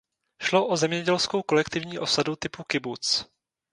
Šlo o zemědělskou kolektivní osadu typu kibuc.